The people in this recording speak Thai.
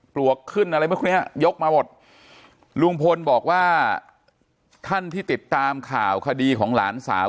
ปลวกขึ้นอะไรเมื่อเนี้ยยกมาหมดลุงพลบอกว่าท่านที่ติดตามข่าวคดีของหลานสาว